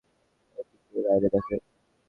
এদিকের লাইনে দেখো।